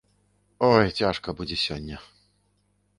Ой, цяжка будзе сёння.